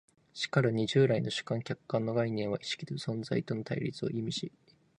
しかるに従来の主観・客観の概念は意識と存在との対立を意味し、